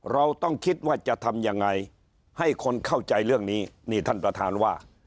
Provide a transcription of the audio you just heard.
เราต้องคิดว่าจะทำยังไงให้คนเข้าใจเรื่องนี้นี่ท่านประธานว่า